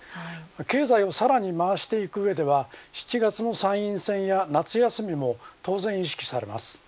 経済をさらに回していく上では７月の参院選や夏休みも当然、意識されます。